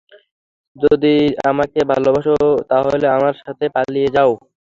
যদি আমাকে ভালোবাসো, তাহলে আমার সাথে পালিয়ে যাও।